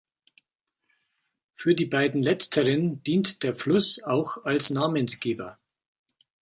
Für die beiden Letzteren dient der Fluss auch als Namensgeber.